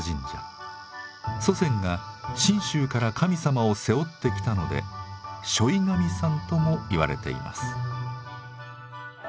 祖先が信州から神様を背負ってきたので背負神さんともいわれています。